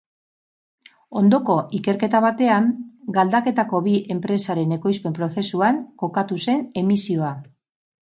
Ondoko ikerketa batean, galdaketako bi enpresaren ekoizpen-prozesuan kokatu zen emisioa.